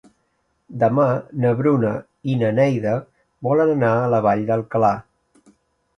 Demà na Bruna i na Neida volen anar a la Vall d'Alcalà.